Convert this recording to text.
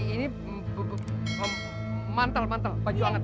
ini mantel mantel baju anget